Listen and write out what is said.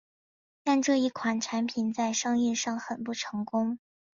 但这一款产品在商业上很不成功。